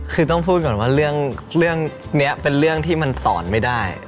คือต้องพูดก่อนว่าเรื่องนี้เป็นเรื่องที่มันสอนไม่ได้